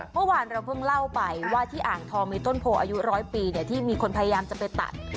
เมื่อวานเราเพิ่งเล่าไปว่าที่อ่างทองมีต้นโพอายุร้อยปีที่มีคนพยายามจะไปตัด